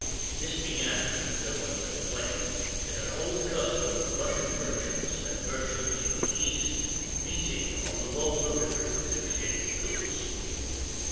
This began, no one knows when, in an old custom of Russian merchants and merchants from the East meeting on the Volga River to exchange goods.